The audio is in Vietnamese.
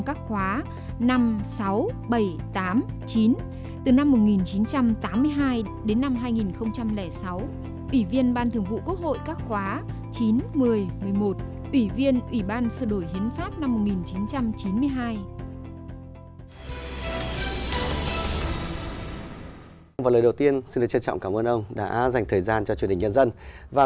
chủ nhiệm văn phòng quốc hội và hội đồng nhà nước từ năm một nghìn chín trăm tám mươi bảy đến năm một nghìn chín trăm chín mươi hai